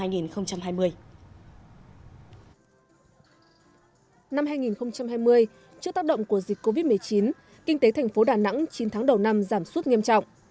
năm hai nghìn hai mươi trước tác động của dịch covid một mươi chín kinh tế thành phố đà nẵng chín tháng đầu năm giảm suốt nghiêm trọng